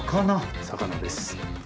魚です。